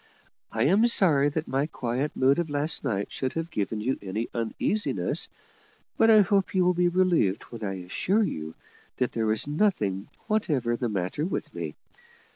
I am sorry that my quiet mood of last night should have given you any uneasiness, but I hope you will be relieved when I assure you that there was nothing whatever the matter with me.